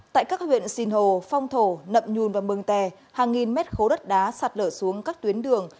tại các huyện sinh hồ phong thổ nậm nhun và mương tè hàng nghìn mét khố đất đá sạt lở xuống các tuyến đường